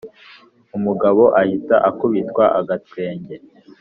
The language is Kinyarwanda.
umugabo ahita akubitwa agatwenge,